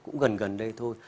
cũng gần gần đây thôi